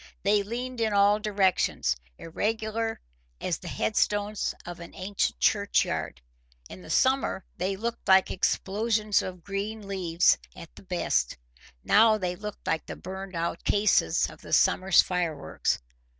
They leaned in all directions, irregular as the headstones in an ancient churchyard. In the summer they looked like explosions of green leaves at the best; now they looked like the burnt out cases of the summer's fireworks.